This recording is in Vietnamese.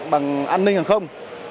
bằng an ninh hàng không